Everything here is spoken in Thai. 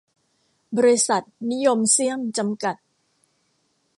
บริษัท นิยมเซียม จำกัด